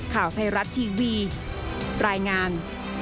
ข่าวไทยรัฐทีวีรายงาน